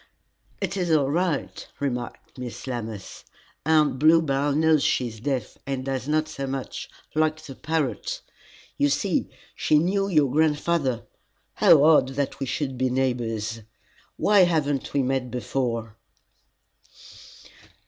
"It is all right," remarked Miss Lammas. "Aunt Bluebell knows she is deaf, and does not say much, like the parrot. You see, she knew your grandfather. How odd that we should be neighbors! Why have we never met before?"